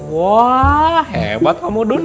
wah hebat kamu dun